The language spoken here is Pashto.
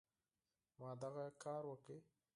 ما دغه کار وکړ.